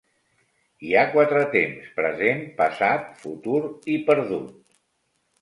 Hi ha quatre temps: present, passat, futur i perdut.